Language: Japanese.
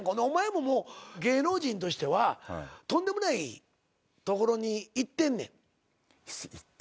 お前ももう芸能人としてはとんでもないところにいってんねん。